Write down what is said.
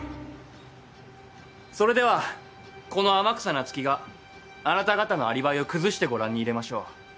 それではこの天草那月があなた方のアリバイを崩してご覧に入れましょう。